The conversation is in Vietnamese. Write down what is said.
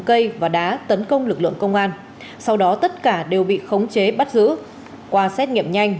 cây và đá tấn công lực lượng công an sau đó tất cả đều bị khống chế bắt giữ qua xét nghiệm nhanh